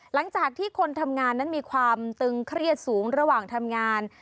หลังจากที่คนทำงานนั้นมีความตึงเครียดสูงระหว่างทำงาน